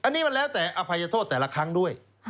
อันนี้มันแล้วแต่อภัยโทษแต่ละครั้งด้วย